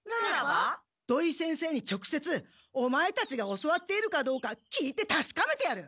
土井先生にちょくせつオマエたちが教わっているかどうか聞いてたしかめてやる！